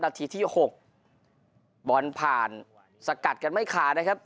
นาทีที่หกบอนผ่านสกัดกันไม่คานะครับ